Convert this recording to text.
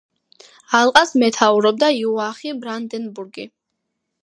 ალყას მეთაურობდა იოახიმ ბრანდენბურგი.